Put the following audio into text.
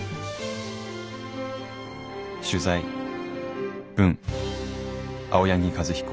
取材・文青柳和彦」。